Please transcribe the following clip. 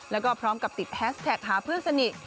แล้วก็พร้อมกับติดแฮสแท็กหาเพื่อนสนิท